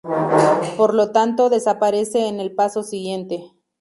Por lo tanto desaparece en el paso siguiente.